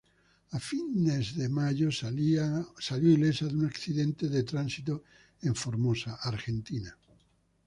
A fines de mayo, salió ilesa de un accidente de tránsito en Formosa, Argentina.